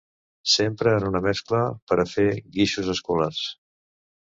S'empra en una mescla per a fer guixos escolars.